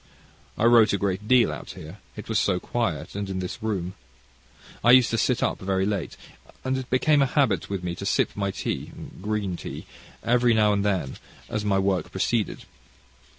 I wrote a great deal out here, it was so quiet, and in this room. I used to sit up very late, and it became a habit with me to sip my tea green tea every now and then as my work proceeded.